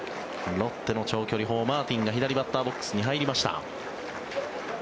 ロッテの長距離砲、マーティンが左バッターボックスに入りました。